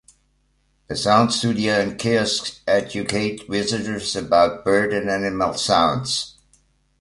A sound studio and kiosks educate visitors about bird and animal sounds.